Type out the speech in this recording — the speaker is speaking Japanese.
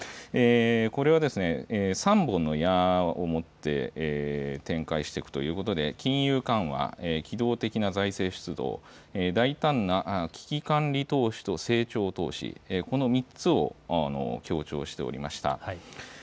これは、３本の矢をもって展開していくということで金融緩和、機動的な財政出動、大胆な危機管理投資と成長投資、この３つを強調しておりました。